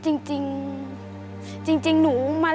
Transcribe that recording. เพลงที่สองเพลงมาครับ